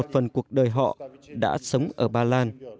vì họ đã sống ở ba lan